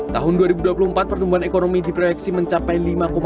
tahun dua ribu dua puluh empat pertumbuhan ekonomi diproyeksi mencapai lima empat